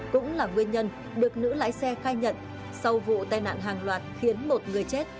cũng là nguyên nhân được nữ lái xe khai nhận sau vụ tai nạn hàng loạt khiến một người chết